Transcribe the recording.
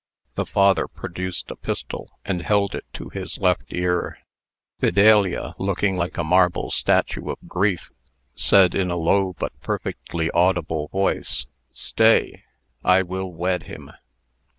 The father produced a pistol, and held it to his left ear. Fidelia, looking like a marble statue of grief, said, in a low but perfectly audible voice: "Stay! I will wed him."